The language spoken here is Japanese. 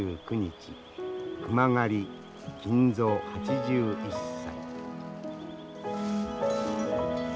熊狩り金蔵８１歳。